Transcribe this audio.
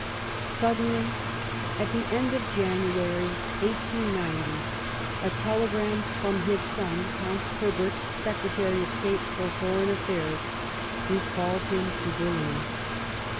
227 Bismarck Suddenly, at the end of January 1890, a tele gram from his son, Count Herbert, Secretary of State for Foreign Affairs, recalled him to Berlin.